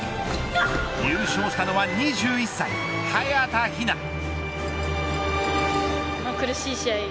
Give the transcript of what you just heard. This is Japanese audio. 優勝したのは、２１歳早田ひな。